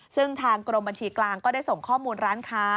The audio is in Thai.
ซึ่งทางกรมบัญชีกลางก็ได้ส่งข้อมูลร้านค้า